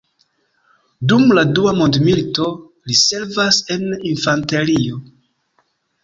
Dum la Dua Mondmilito, li servas en infanterio.